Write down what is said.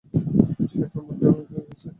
সে তোমার দেওয়াই হয়ে গেছে।